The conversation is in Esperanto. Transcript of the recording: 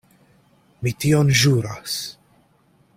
Mi tion ĵuras.